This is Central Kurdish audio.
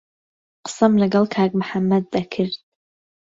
قسەم لەگەڵ کاک محەممەد دەکرد.